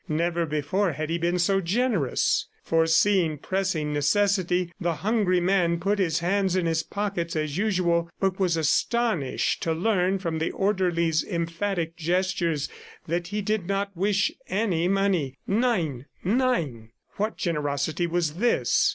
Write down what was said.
Never before had he been so generous. Foreseeing pressing necessity, the hungry man put his hands in his pockets as usual, but was astonished to learn from the orderly's emphatic gestures that he did not wish any money. "Nein. ... Nein!" What generosity was this!